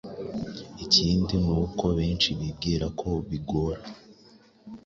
Ikindi ni uko benshi bibwira ko bigora